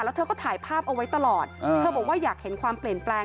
แล้วเธอก็ถ่ายภาพเอาไว้ตลอดเธอบอกว่าอยากเห็นความเปลี่ยนแปลง